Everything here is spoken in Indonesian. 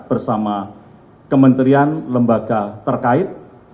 bersama kementerian lembaga terkait